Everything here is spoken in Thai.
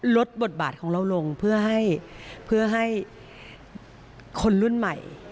ลดบทบาทของเราลงเพื่อให้คนรุ่นใหม่